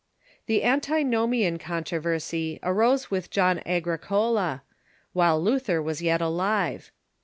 The Antinomian Coyitroversy arose with John Agricola, while Luther was yet alive.